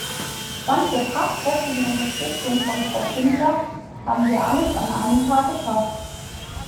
Dank der tatkräftigen Unterstützung von Frau Schindler haben wir alles an einem Tag geschafft.